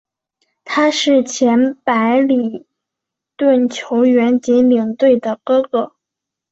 他是前白礼顿球员及领队的哥哥。